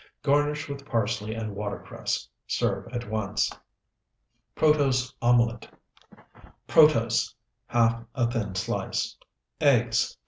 Garnish with parsley and watercress. Serve at once. PROTOSE OMELET Protose, ½ a thin slice. Eggs, 2.